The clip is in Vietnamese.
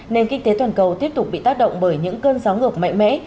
nền kinh tế toàn cầu tiếp tục bị tác động bởi những cơn gió ngược mạnh mẽ